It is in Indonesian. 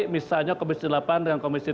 misalnya komisi delapan dengan komisi tiga